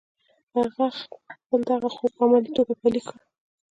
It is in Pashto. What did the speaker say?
هغه خپل دغه خوب په عملي توګه پلی کړ